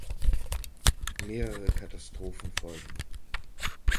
Mehrere Katastrophen folgen.